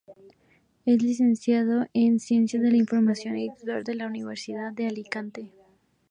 Es licenciado en Ciencias de la Información y doctor por la Universidad de Alicante.